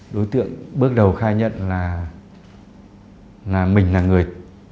đối tượng bước đầu khai nhận là mình là người